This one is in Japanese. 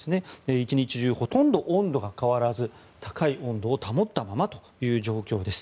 一日中、ほとんど温度が変わらず高い温度を保ったままという状況です。